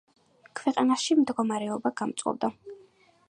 ქვეყანაში მდგომარეობა გამწვავდა.